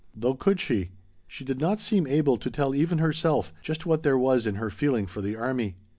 Though could she? She did not seem able to tell even herself just what there was in her feeling for the army.